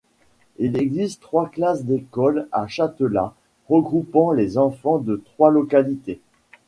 Il existe trois classes d'école à Châtelat regroupant les enfants de trois localités.